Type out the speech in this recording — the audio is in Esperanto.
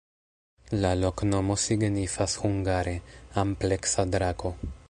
La loknomo signifas hungare: ampleksa-drako.